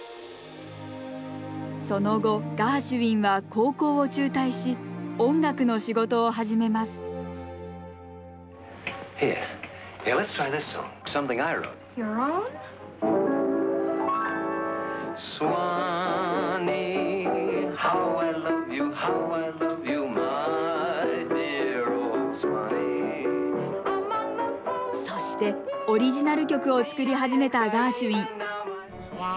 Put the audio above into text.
その後ガーシュウィンは高校を中退し音楽の仕事を始めますそしてオリジナル曲を作り始めたガーシュウィン。